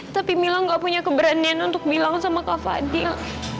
tapi mila gak punya keberanian untuk bilang sama kak fadil